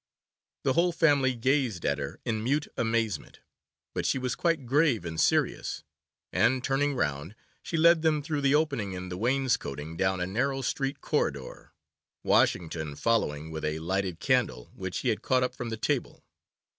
The whole family gazed at her in mute amazement, but she was quite grave and serious; and, turning round, she led them through the opening in the wainscoting down a narrow secret corridor, Washington following with a lighted candle, which he had caught up from the table.